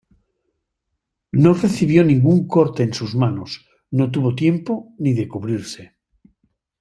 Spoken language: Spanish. No recibió ningún corte en sus manos, no tuvo tiempo ni de cubrirse.